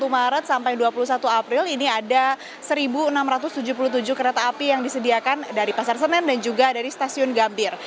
satu maret sampai dua puluh satu april ini ada satu enam ratus tujuh puluh tujuh kereta api yang disediakan dari pasar senen dan juga dari stasiun gambir